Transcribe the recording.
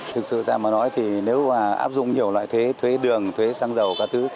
thực sự ra mà nói thì nếu áp dụng nhiều loại thuế thuế đường thuế xăng dầu các thứ